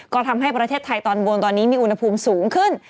ก็ทำให้ประเทศไทยตอนบนตอนนี้มีอุณหภูมิสูงขึ้น